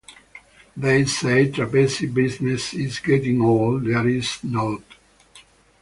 They say trapeze business is getting old. Theirs is not.